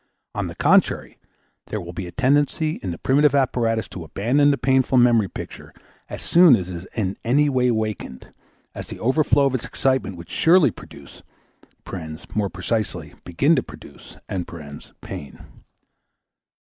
On the contrary, there will be a tendency in the primary apparatus to abandon the painful memory picture as soon as it is in any way awakened, as the overflow of its excitement would surely produce (more precisely, begin to produce) pain.